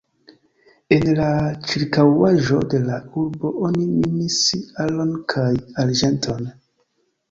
En la ĉirkaŭaĵo de la urbo oni minis oron kaj arĝenton.